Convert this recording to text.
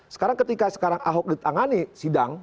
sekarang ketika sekarang ahok ditangani sidang